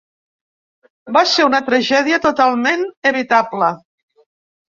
Va ser una tragèdia totalment evitable.